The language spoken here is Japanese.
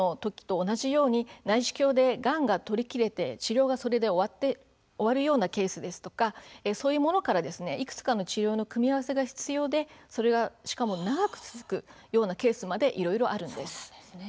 例えば検査の時と同じように内視鏡でがんが取りきれて治療が終わるようなケースですとかそういうものからいくつかの治療の組み合わせが必要でそれが長く続くようなケースまでいろいろあるんです。